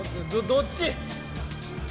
どっち？